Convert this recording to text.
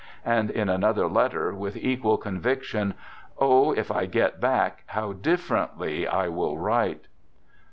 " and in another letter, with equal conviction: " O, if I get back, how differently I shall write